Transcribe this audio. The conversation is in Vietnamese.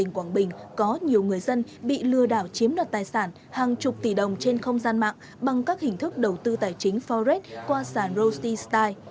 quảng bình có nhiều người dân bị lừa đảo chiếm đoạt tài sản hàng chục tỷ đồng trên không gian mạng bằng các hình thức đầu tư tài chính forex qua sản rosti style